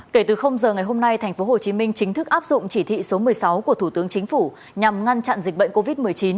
kể từ giờ ngày hôm nay tp hcm chính thức áp dụng chỉ thị số một mươi sáu của thủ tướng chính phủ nhằm ngăn chặn dịch bệnh covid một mươi chín